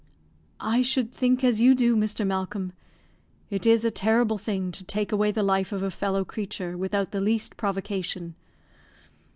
"I should think as you do, Mr. Malcolm. It is a terrible thing to take away the life of a fellow creature without the least provocation."